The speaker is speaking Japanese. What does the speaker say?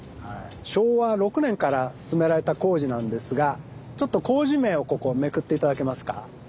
昭和６年から進められた工事なんですがちょっと工事名をここめくって頂けますか。